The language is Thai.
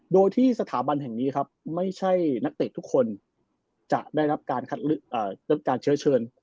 โดยที่สถาบันแห่งนี้ครับไม่ใช่นักเตะทุกคนจะได้รับการเชื้อเชิญ